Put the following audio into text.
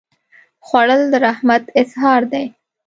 خوړل د رحمت اظهار دی